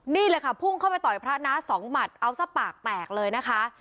นี่เลยค่ะพุ่งเข้าไปต่อยพระน้าสองหมัดเอาซะปากแตกเลยนะคะ